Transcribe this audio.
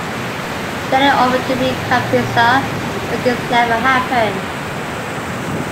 Stalin offered to meet Kapitsa, but this never happened.